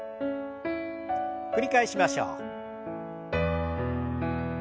繰り返しましょう。